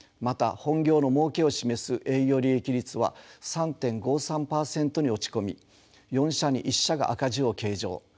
また本業のもうけを示す営業利益率は３．５３％に落ち込み４社に１社が赤字を計上。